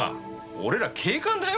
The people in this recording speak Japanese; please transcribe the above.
俺ら警官だよ。